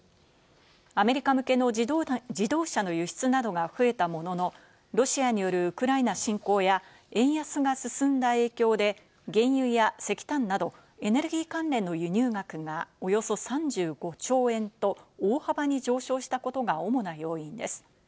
アメリカ向けの自動車の輸出などが増えたものの、ロシアによるウクライナ侵攻や円安が進んだ影響で、原油や石炭などエネルギー関連の輸入額がおよそ３５兆円と大幅に上昇したことが主な要因です。